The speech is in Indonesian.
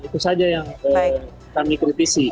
itu saja yang kami kritisi